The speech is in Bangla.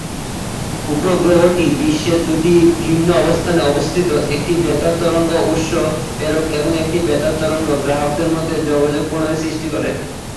উপগ্রহটি বিশ্বের দুইটি ভিন্ন অবস্থানে অবস্থিত একটি বেতার তরঙ্গ উৎস-প্রেরক এবং একটি বেতার তরঙ্গ গ্রাহকের মধ্যে যোগাযোগ প্রণালী সৃষ্টি করে।